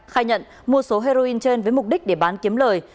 khai nhận mua số heroin trên với mục đích để bán kiếm lời